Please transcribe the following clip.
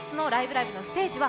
ライブ！」のステージは